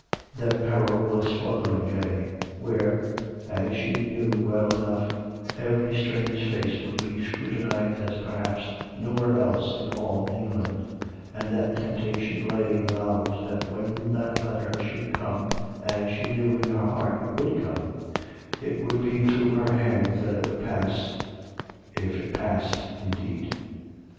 That peril was Fotheringay, where (as she knew well enough) every strange face would be scrutinized as perhaps nowhere else in all England; and that temptation lay in the knowledge that when that letter should come (as she knew in her heart it would come), it would be through her hands that it would pass — if it passed indeed.